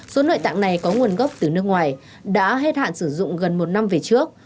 số nội tạng này có nguồn gốc từ nước ngoài đã hết hạn sử dụng gần một năm về trước